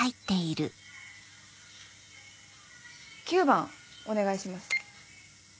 ９番お願いします。